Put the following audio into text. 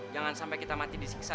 jangan sampai kita mati disiksa